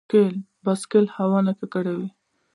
بایسکل هوا نه ککړوي.